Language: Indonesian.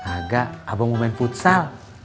agak abang mau main futsal